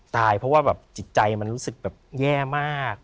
เพราะว่าแบบจิตใจมันรู้สึกแบบแย่มาก